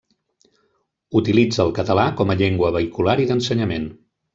Utilitza el català com a llengua vehicular i d'ensenyament.